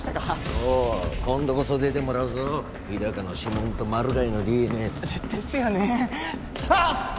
おう今度こそ出てもらうぞ日高の指紋とマルガイのＤＮＡでですよねあっ！